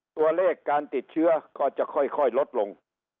ตัวเลขการติดเชื้อก็จะค่อยลดลง